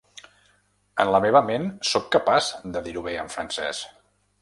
En la meva ment, soc capaç de dir-ho bé en francès.